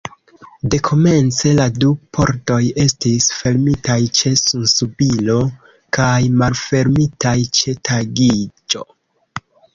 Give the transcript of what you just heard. Dekomence la du pordoj estis fermitaj ĉe sunsubiro kaj malfermitaj ĉe tagiĝo.